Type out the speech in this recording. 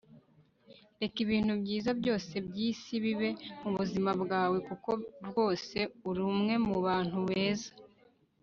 reka ibintu byiza byose byisi bibe mubuzima bwawe kuko rwose uri umwe mubantu beza